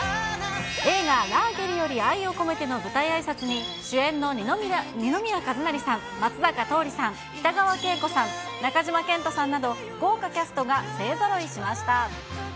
映画、ラーゲリより愛を込めての舞台あいさつに、主演の二宮和也さん、松坂桃李さん、北川景子さん、中島健人さんなど、豪華キャストが勢ぞろいしました。